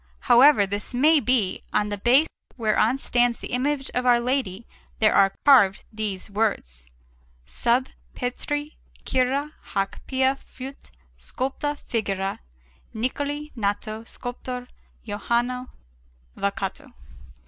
However this may be, on the base whereon stands the image of Our Lady there are carved these words: SUB PETRI CURA HÆC PIA FUIT SCULPTA FIGURA, NICOLI NATO SCULPTORE JOHANNE VOCATO.